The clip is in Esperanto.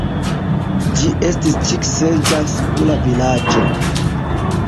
Ĝi estis ĉik-seĝa sikula vilaĝo.